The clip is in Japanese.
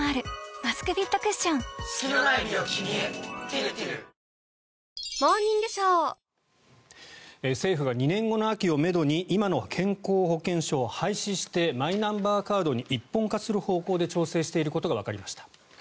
ピンポーン政府が２年後の秋をめどに今の健康保険証を廃止してマイナンバーカードに一本化する方向で調整していることがわかりました。